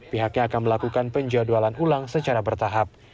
pihaknya akan melakukan penjadwalan ulang secara bertahap